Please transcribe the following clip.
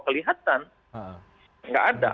kelihatan enggak ada